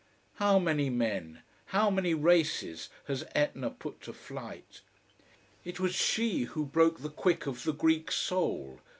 How many men, how many races, has Etna put to flight? It was she who broke the quick of the Greek soul.